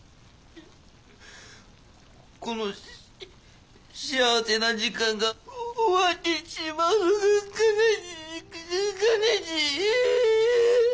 この幸せな時間が終わってしまうのが悲しい悲しい。